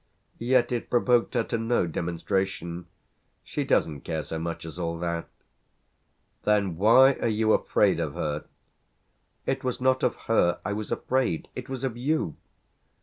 Yet it provoked her to no demonstration. She doesn't care so much as all that." "Then why are you afraid of her?" "It was not of her I was afraid. It was of you."